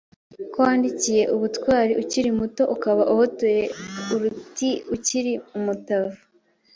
Ko wandikiye ubutwari ukiri muto Ukaba uhotoye uruti ukiri umutavu